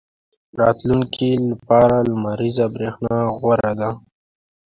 • د راتلونکي لپاره لمریزه برېښنا غوره ده.